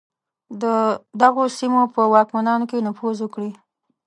د دغو سیمو په واکمنانو کې نفوذ وکړي.